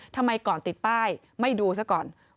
ทำไมก่อนติดป้ายไม่ดูซะก่อน